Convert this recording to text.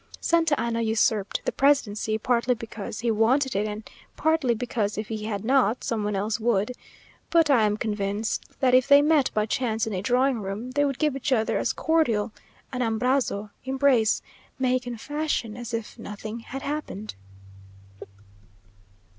Santa Anna usurped the presidency, partly because he wanted it, and partly because if he had not, some one else would; but I am convinced that if they met by chance in a drawing room, they would give each other as cordial an ambrazo (embrace), Mexican fashion, as if nothing had happened.